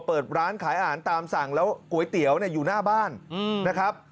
เปิดร้านขายอาหารตามสั่งแล้วก๋วยเตี๋ยวอยู่หน้าบ้านนะครับ